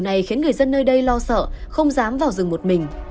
người dân nơi đây lo sợ không dám vào rừng một mình